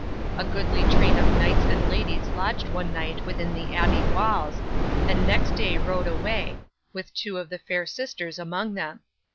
A goodly train of knights and ladies lodged one night within the abbey walls, and next day rode away, with two of the fair sisters among them.